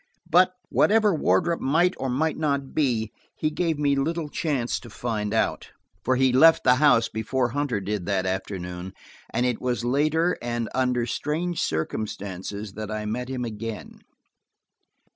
But, whatever Wardrop might or might not be, he gave me little chance to find out, for he left the house before Hunter did that afternoon, and it was later, and under strange circumstances, that I met him again.